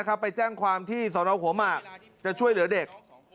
ไปแจ้งความที่สนหัวหมากจะช่วยเหลือเด็ก